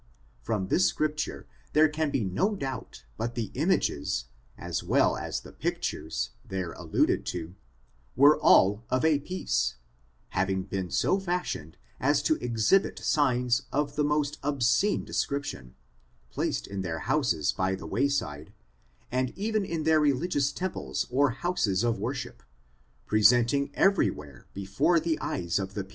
From this scripture there can be no doubt but the images, as well as the pictures, there alluded to, were all of a piece ; having been so fash ioned as to exhibit sights of the most obscene descrip tion, placed in their houses by the way side, and even in their religious temples or houses of worship, presenting every where before the eyes of the.